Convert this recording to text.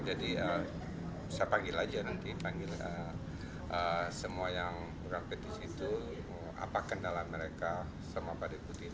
jadi saya panggil saja nanti semua yang berampe di situ apakah kendala mereka sama pak dettuk ponerik